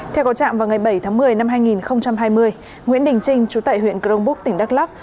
theo có chạm vào ngày bảy tháng một mươi năm hai nghìn hai mươi nguyễn đình trinh chú tại huyện crongbúc tỉnh đắk lắk